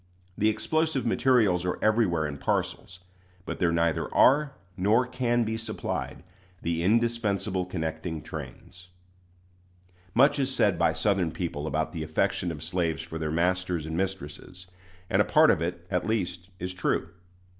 The explosive materials are everywhere in parcels; but there neither are, nor can be supplied, the indispensable connecting trains. Much is said by Southern people about the affection of slaves for their masters and mistresses; and a part of it, at least, is true.